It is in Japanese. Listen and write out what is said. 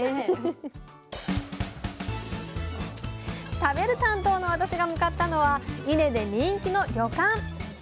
食べる担当の私が向かったのは伊根で人気の旅館。